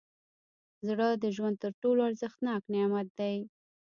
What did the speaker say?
زړه د ژوند تر ټولو ارزښتناک نعمت دی.